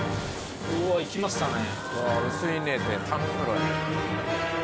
うわ行きましたね。